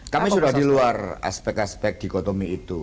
kami sudah di luar aspek aspek dikotomi itu